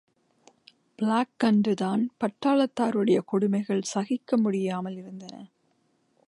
Black and Tan பட்டாளத்தாருடைய கொடுமைகள் சகிக்க முடியாமல் இருந்தன.